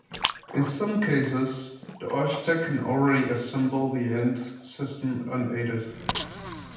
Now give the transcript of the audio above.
In some cases, the architect can already assemble the end system unaided.